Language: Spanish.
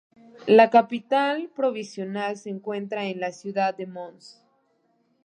La capital provincial se encuentra en la ciudad de Mons.